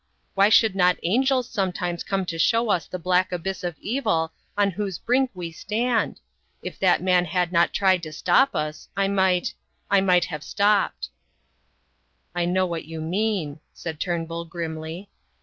"Why should not angels sometimes come to show us the black abyss of evil on whose brink we stand. If that man had not tried to stop us...I might...I might have stopped." "I know what you mean," said Turnbull, grimly.